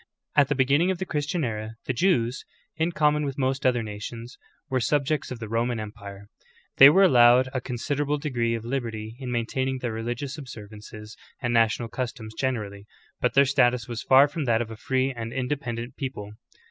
2. At the beginning of the Christian era, the Jews, in com.mon with most other nations, were subjects of the Roman empire.^ They were allowed a considerable degree of liberty in maintaining their religious observances and national customs generally, but their status was far from that of a free and independent people.